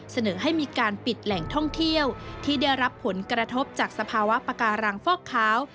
เสนอให้มีการปิดแหล่งท่องเที่ยวที่ได้รับผลกระทบจากสภาวะปาการังฟอกขาว